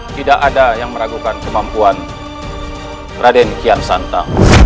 tidak ada yang meragukan kemampuan raden kian santa